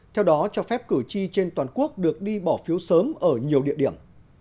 theo đó cho phép cử tri trên toàn quốc được đi bỏ phiếu sớm ở nhiều địa điểm